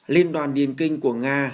liên đoàn điền kinh của nga